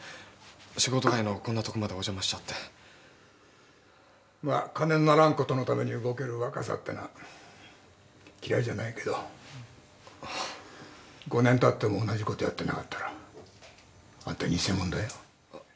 仕事外のこんなとこまでお邪魔しちゃって金にならんことのために動ける若さってのは嫌いじゃないけど５年経っても同じことやってなかったらアンタニセモノだよ